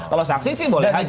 kalau saksi sih boleh aja